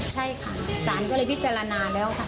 ใช่ค่ะสารก็เลยพิจารณาแล้วค่ะ